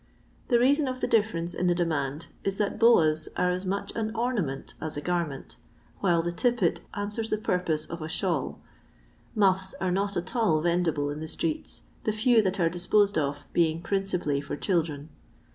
The reason of the difference in the demand is that boas are as much an ornament as a garment, while the tippet answers the purpose of a shawL Muffs are not at all vendible in the streets, the few that are disposed of being principally for child ren.